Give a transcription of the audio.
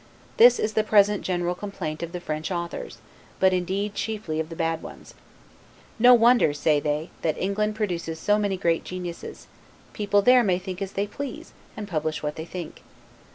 This is the present general complaint of the French authors; but indeed chiefly of the bad ones. No wonder, say they, that England produces so many great geniuses; people there may think as they please, and publish what they think.